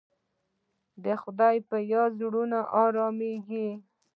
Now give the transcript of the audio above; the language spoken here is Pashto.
د خدای په یاد زړونه ارامېږي.